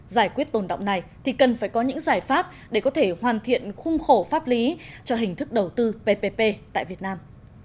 giải quyết tồn động này thì cần phải có những giải pháp để có thể hoàn thiện khung khổ pháp lý cho hình thức đầu tư ppp tại việt nam